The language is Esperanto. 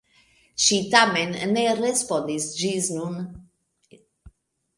Ŝi tamen ne respondis ĝis nun.